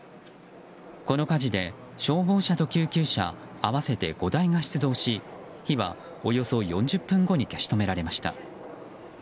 この火事で、消防車と救急車合わせて５台が出動し火はおよそ４０分後に消し止められました。